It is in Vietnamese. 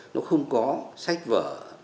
nó không có sách vở